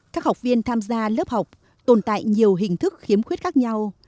các học viên tham gia lớp học tồn tại nhiều hình thức khiếm khuyết khác nhau